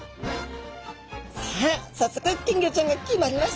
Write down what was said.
さあ早速金魚ちゃんが決まりました。